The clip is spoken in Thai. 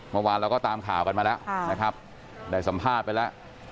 เมื่อวานเราก็ตามข่าวกันมาแล้วนะครับได้สัมภาษณ์ไปแล้ว